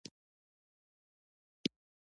باور د انسان د اړیکو ریښه ده.